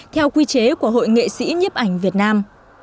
theo quy chế của hội nghệ sĩ nhiếp ảnh việt nam